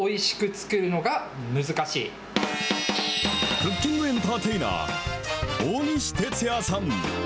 クッキングエンターテイナー、大西哲也さん。